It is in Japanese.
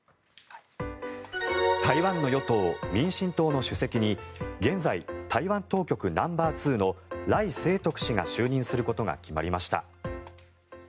台湾の与党民進党の主席に現在、台湾当局ナンバーツーの頼清徳氏が就任することが決まりました。